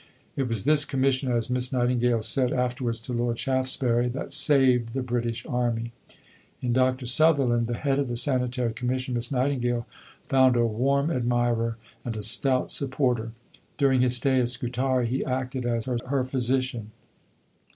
It was this Commission, as Miss Nightingale said afterwards to Lord Shaftesbury, that "saved the British Army." In Dr. Sutherland, the head of the Sanitary Commission, Miss Nightingale found a warm admirer and a stout supporter. During his stay at Scutari he acted as her physician.